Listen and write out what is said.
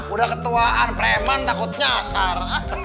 udah ketuaan preman takut nyasar